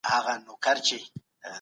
انلاين زده کړه د وخت تنظيم ته اړتيا لري.